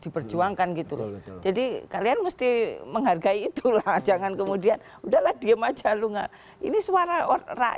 diperjuangkan gitu jadi kalian mesti menghargai itulah jangan kemudian udah lah diam aja lu enggak